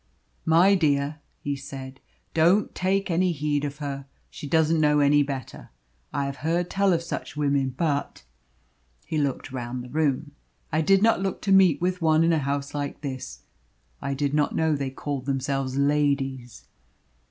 "My dear," he said, "don't take any heed of her. She doesn't know any better. I have heard tell of such women, but" he looked round the room "I did not look to meet with one in a house like this. I did not know they called themselves ladies."